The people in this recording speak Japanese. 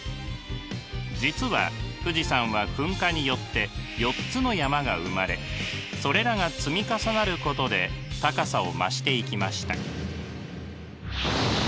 実は富士山は噴火によって４つの山が生まれそれらが積み重なることで高さを増していきました。